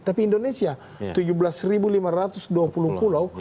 tapi indonesia tujuh belas lima ratus dua puluh pulau